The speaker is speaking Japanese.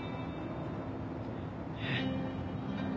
えっ？